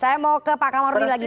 saya mau ke pak kamarudin lagi